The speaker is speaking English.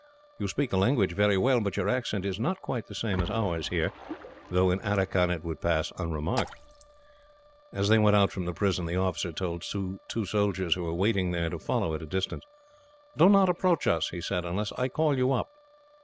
You speak the language very well, but your accent is not quite the same as ours, here, though in Aracan it would pass unremarked." As they went out from the prison, the officer told two soldiers who were waiting there to follow, at a distance. "Do not approach us," he said, "unless I call you up."